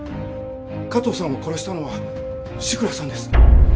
加藤さんを殺したのは志倉さんです。